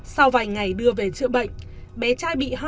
sau vài ngày đưa về chữa bệnh ông quang bắt đầu làm việc lên lấy lời khai